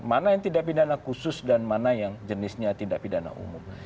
mana yang tindak pidana khusus dan mana yang jenisnya tindak pidana umum